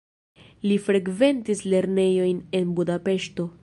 Li frekventis lernejojn en Budapeŝto.